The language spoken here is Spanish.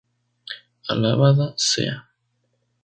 Alabada sea.